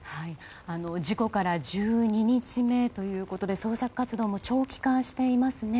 事故から１２日目ということで捜索活動も長期化していますね。